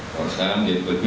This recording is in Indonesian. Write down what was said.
kalau sekarang jadi berbeda